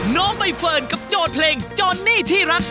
น้องใบเฟิร์นกับโจทย์เพลงจอนนี่ที่รัก